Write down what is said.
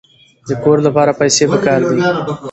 د کور لپاره پیسې پکار دي.